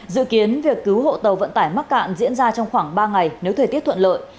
dự kiến việc cứu hộ tàu vận tải mắc cạn diễn ra trong khoảng ba ngày nếu thời tiết thuận lợi